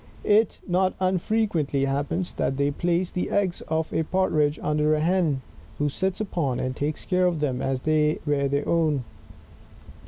It not unfrequently happens that they place the eggs of a Partridge under a hen, who sits upon, and takes care of them as if they were her own.